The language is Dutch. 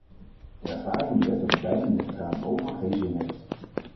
De ervaring leert dat dweilen met de kraan open geen zin heeft.